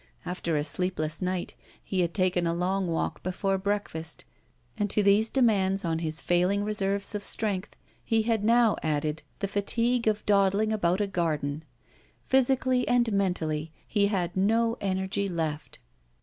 After a sleepless night, he had taken a long walk before breakfast; and to these demands on his failing reserves of strength, he had now added the fatigue of dawdling about a garden. Physically and mentally he had no energy left.